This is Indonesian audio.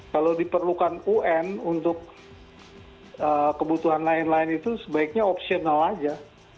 kalau diperlukan un untuk kebutuhan lain lain itu sebaiknya opsional aja